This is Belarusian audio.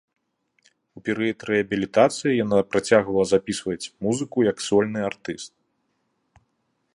У перыяд рэабілітацыі яна працягвала запісваць музыку як сольны артыст.